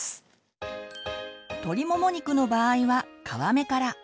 鶏もも肉の場合は皮目から。